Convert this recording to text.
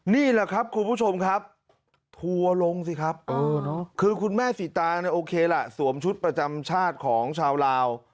นี่แหละครับคุณผู้ชมครับทัวร์ลงสิครับคือคุณแม่สีตางเนี่ยโอเคล่ะสวมชุดประจำชาติของชาวลาว